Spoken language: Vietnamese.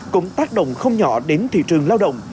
cũng tác động không nhỏ đến thị trường lao động